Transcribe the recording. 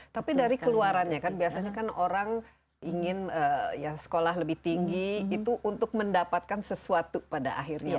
tapi dari keluarannya biasanya orang ingin sekolah lebih tinggi untuk mendapatkan sesuatu pada akhirnya